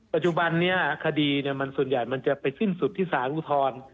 ปัจจุบันนี้คดีมันส่วนใหญ่มันจะไปสิ้นสุดที่สารอุทธรณ์